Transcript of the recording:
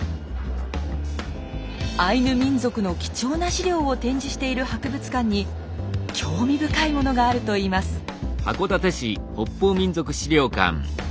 アイヌ民族の貴重な資料を展示している博物館に興味深いものがあるといいます。